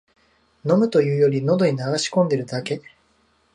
飲むというより、のどに流し込んでるだけ